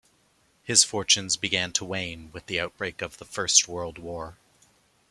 His fortunes began to wane with the outbreak of the First World War.